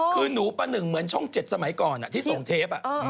คือหนูประหนึ่งเหมือนช่อง๗สมัยก่อนที่ส่งเทป